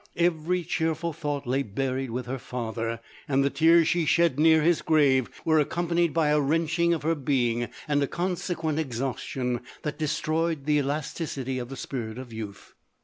Every cheerful thought lay buried with her father, and the tears she shed near his grave were accompanied 286 LODORE. by a wrenching of her being, and a consequent exhaustion, that destroyed the elasticity of the spirit of youth.